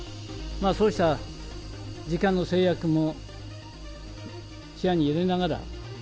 そうした時間の制約も視野に入れながら。